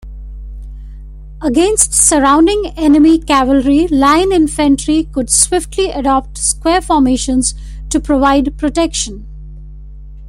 Against surrounding enemy cavalry, line infantry could swiftly adopt square formations to provide protection.